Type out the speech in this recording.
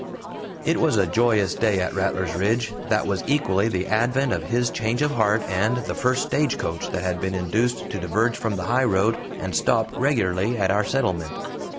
It was a joyous day at Rattlers Ridge that was equally the advent of his change of heart and the first stagecoach that had been induced to diverge from the highroad and stop regularly at our settlement.